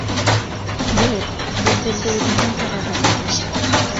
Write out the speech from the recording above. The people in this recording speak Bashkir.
Юҡ, Дөлдөлдө үҙемдең һарайға күсерәм!